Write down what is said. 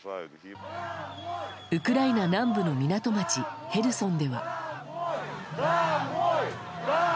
ウクライナ南部の港町ヘルソンでは。